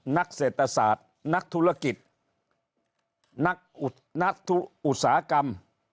นักเศรษฐศาสตร์นักธุรกิจนักอุตสาหกรรม